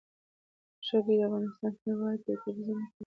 ژبې د افغانستان هېواد یوه طبیعي ځانګړتیا ده.